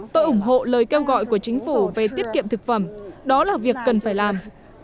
tôi ủng hộ lời kêu gọi của chính phủ về tiết kiệm thực phẩm đó là việc cần phải làm